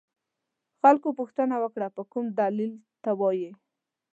خلکو پوښتنه وکړه په کوم دلیل ته وایې.